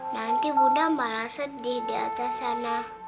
nanti bunda malah sedih di atas sana